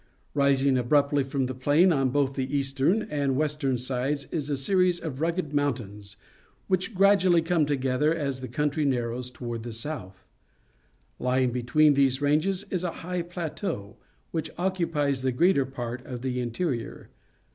Rising abruptly from the plain on both the eastern and western sides is 140 PUBLIC SCHOOL GEOGRAPHY a series of rugged mountains, wliich gradually come together as the country narrows toward the south. Lying between these ranges is a high plateau, which occupies the greater part of the interior.